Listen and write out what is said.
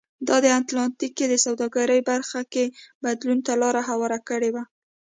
دا د اتلانتیک کې د سوداګرۍ برخه کې بدلون ته لار هواره کړې وه.